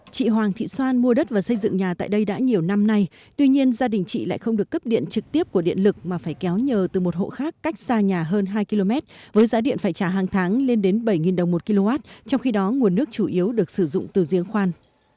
chị hoàng thị xoan mua đất và xây dựng nhà tại đây đã nhiều năm nay tuy nhiên gia đình chị lại không được cấp điện trực tiếp của điện lực mà phải kéo nhờ từ một hộ khác cách xa nhà hơn hai km với giá điện phải trả hàng tháng lên đến bảy đồng một kw trong khi đó nguồn nước chủ yếu được sử dụng từ giếng khoan